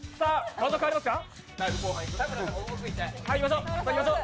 場所、変わりますか？